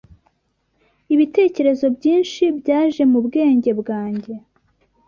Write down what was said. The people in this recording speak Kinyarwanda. Ibitekerezo byinshi byaje mu bwenge bwanjye